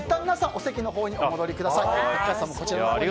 お席のほうにお戻りください。